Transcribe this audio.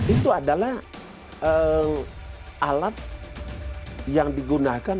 itu adalah alat yang digunakan